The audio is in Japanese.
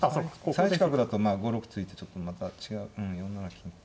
３一角だと５六突いてちょっとまた違う４七金か。